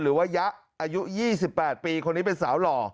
หรือว่ายะอายุ๒๘ปีคนนี้เป็นสาวหล่อ